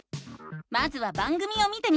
まずは番組を見てみよう！